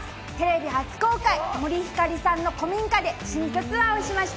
テレビ初公開、森星さんの古民家で新居ツアーをしました。